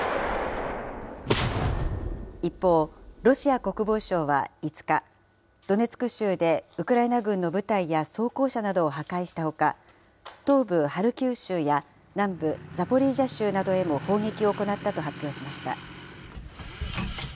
一方、ロシア国防省は５日、ドネツク州でウクライナ軍の部隊や装甲車などを破壊したほか、東部ハルキウ州や南部ザポリージャ州などへの砲撃を行ったと発表しました。